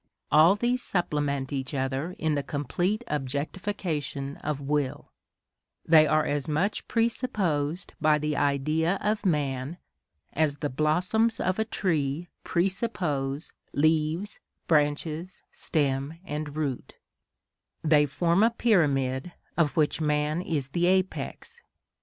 All these supplement each other in the complete objectification of will; they are as much presupposed by the Idea of man as the blossoms of a tree presuppose leaves, branches, stem, and root; they form a pyramid, of which man is the apex.